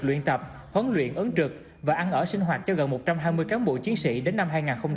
luyện tập huấn luyện ứng trực và ăn ở sinh hoạt cho gần một trăm hai mươi cán bộ chiến sĩ đến năm hai nghìn hai mươi